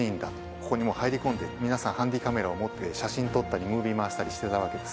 ここに入り込んで皆さんハンディーカメラを持って写真撮ったりムービー回したりしてたわけですね。